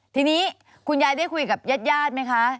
ทีนี้คุณยายได้คุยกับญาติไหมคะ